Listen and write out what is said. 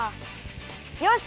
よし！